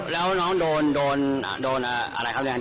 แล้วน้องโดนอะไรครับ